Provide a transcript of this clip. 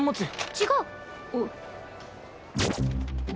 違う。